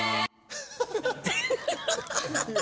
ハハハハ！